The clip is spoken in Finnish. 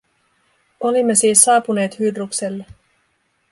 Olimme siis saapuneet Hydrukselle.